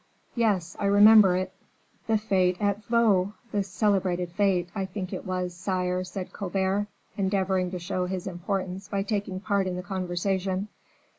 "Yes, I remember it." "The fete at Vaux, the celebrated fete, I think, it was, sire," said Colbert, endeavoring to show his importance by taking part in the conversation.